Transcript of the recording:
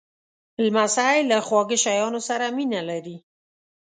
لمسی له خواږه شیانو سره مینه لري.